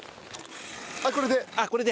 あっこれで？